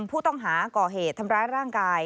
ผู้ต้องหาก่อเหตุทำร้ายร่างกาย